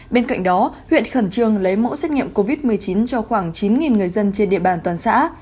bên cạnh đó huyện khẩn trương lấy mẫu xét nghiệm covid một mươi chín cho khoảng chín người dân trên địa bàn toàn xã